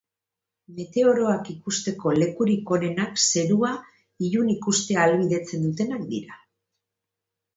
Meteoroak ikusteko lekurik onenak zerua ilun ikustea ahalbidetzen dutenak dira.